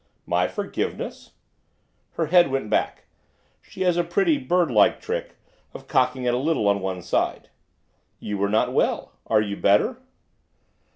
'My forgiveness?' Her head went back, she has a pretty bird like trick of cocking it a little on one side. 'You were not well. Are you better?